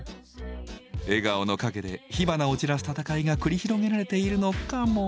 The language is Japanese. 笑顔の陰で火花を散らす戦いが繰り広げられているのかも。